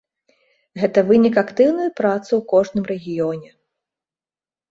Гэта вынік актыўнай працы ў кожным рэгіёне.